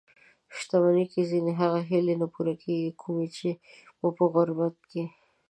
شتمني کې ځينې هغه هیلې نه پوره کېږي؛ کومې چې مو په غربت کې